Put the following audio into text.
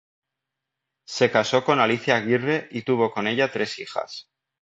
Se casó con Alicia Aguirre y tuvo con ella tres hijas.